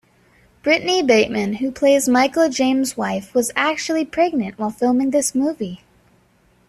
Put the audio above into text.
Britani Bateman, who plays Michael Jaymes' wife, was actually pregnant while filming this movie.